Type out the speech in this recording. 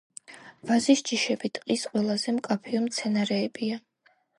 ვაზის ჯიშები ტყის ყველაზე მკაფიო მცენარეებია.